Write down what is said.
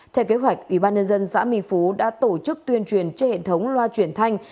theo kế hoạch ủy ban nhân dân xã minh phú đã tổ chức tuyên truyền trên hệ thống loa chuyển thanh